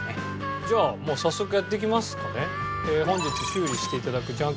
じゃあもう早速やっていきますかね。